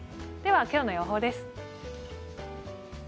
今日の予報です。